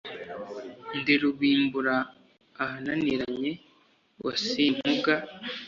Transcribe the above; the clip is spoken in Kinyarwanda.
ndi rubimbura ahananiranye wa simpunga